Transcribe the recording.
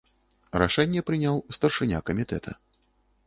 Рашэнне прыняў старшыня камітэта.